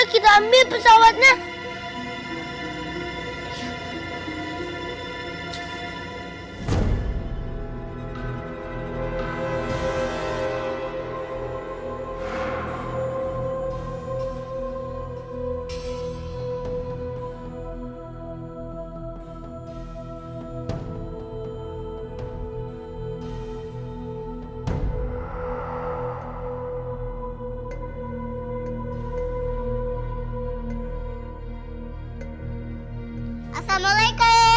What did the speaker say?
yuk kita lanjut lagi